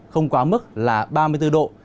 không quá mức là ba mươi bốn độ